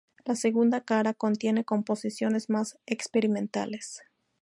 La segunda cara contiene composiciones más experimentales.